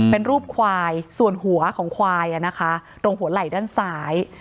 เป็นรูปควายส่วนหัวของควายตรงหัวไหล่ด้านซ้าย